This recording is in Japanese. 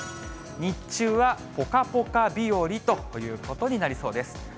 日中はぽかぽか日和ということになりそうです。